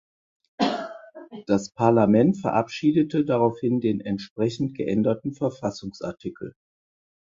Das Parlament verabschiedete daraufhin den entsprechend geänderten Verfassungsartikel.